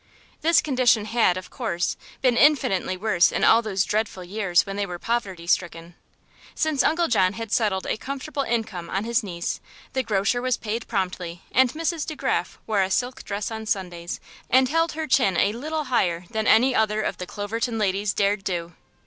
This condition had, of course, been infinitely worse in all those dreadful years when they were poverty stricken. Since Uncle John had settled a comfortable income on his niece the grocer was paid promptly and Mrs. De Graf wore a silk dress on Sundays and held her chin a little higher than any other of the Cloverton ladies dared do.